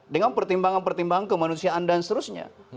dengan pertimbangan pertimbangan kemanusiaan dan seterusnya